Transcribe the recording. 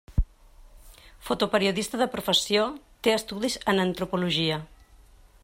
Fotoperiodista de professió, té estudis en Antropologia.